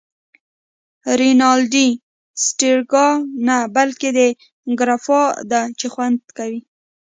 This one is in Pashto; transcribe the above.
رینالډي: سټریګا نه، بلکې دا ګراپا ده چې خوند کوی.